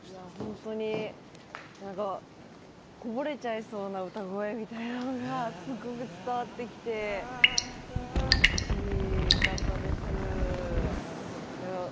本当にこぼれちゃいそうな歌声みたいなのがすごい伝わってきて、美しかったです。